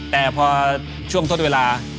แต่พอช่วงทดเวลา